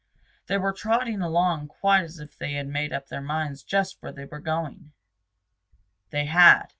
They were trotting along quite as if they had made up their minds just where they were going. They had.